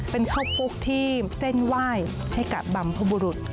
เป็นข้าวปุ๊กที่เส้นไหว้ให้กับบรรพบุรุษ